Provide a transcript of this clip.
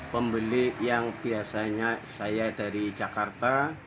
pembeli yang biasanya saya dari jakarta